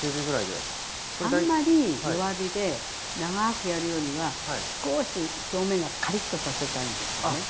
あんまり弱火で長くやるよりはすこし表面がカリッとさせたいんですよね。